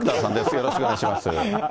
よろしくお願いします。